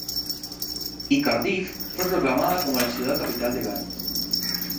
Y Cardiff fue proclamada como la ciudad capital de Gales.